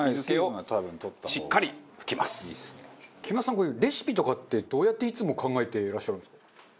こういうレシピとかってどうやっていつも考えていらっしゃるんですか？